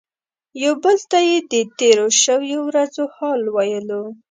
یو بل ته یې د تیرو شویو ورځو حال ویلو.